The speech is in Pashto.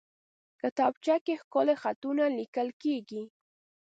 کتابچه کې ښکلي خطونه لیکل کېږي